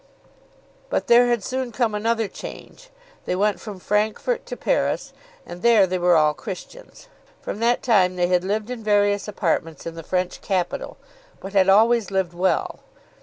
But there had soon come another change. They went from Francfort to Paris, and there they were all Christians. From that time they had lived in various apartments in the French capital, but had always lived well.